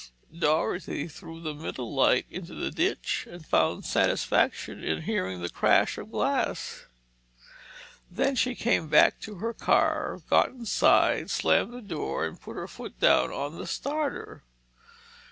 Dorothy threw the middle light into the ditch and found satisfaction in hearing the crash of glass. Then she came back to her car, got inside, slammed the door and put her foot down on the starter.